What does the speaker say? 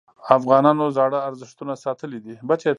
افغانانو زاړه ارزښتونه ساتلي.